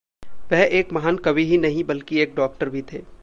वह एक महान कवि ही नहीं बल्कि एक डॉक्टर भी थे।